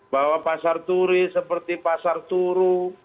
bahwa pasar turi seperti pasar turu